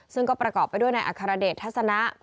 ซึ่งก็ประกอบไปด้วยในอัครเดชทัศนะ